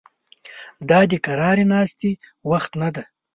دا د قرارې ناستې وخت نه دی